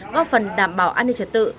góp phần đảm bảo an ninh trật tự